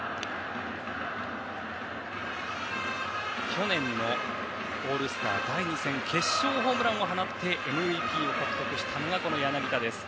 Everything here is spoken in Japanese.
去年のオールスター第２戦決勝ホームランを放ってＭＶＰを獲得したのが柳田です。